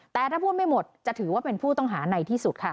แต่ถ้าพูดไม่หมดจะถือว่าเป็นผู้ต้องหาในที่สุดค่ะ